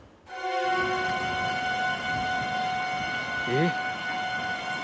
えっ。